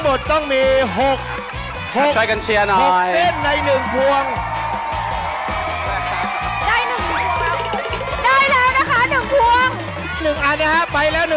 ก็อยากลังน้อยเลย